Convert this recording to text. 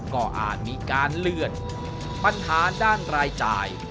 ก็อาจมีการเลื่อนปัญหาด้านรายจ่าย